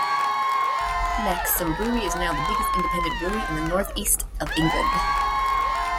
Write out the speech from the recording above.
Maxim Brewery is now the biggest independent brewery in the North East of England.